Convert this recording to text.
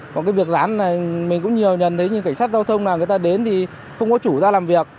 còn việc rán này mình cũng nhiều nhận thấy những cảnh sát giao thông là người ta đến thì không có chủ ra làm việc